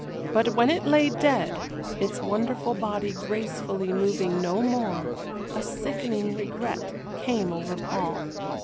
But when it lay dead, its wonderful body gracefully moving no more, a sickening regret came over Paul.